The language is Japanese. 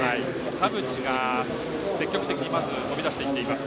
田渕が積極的にまず飛び出しています。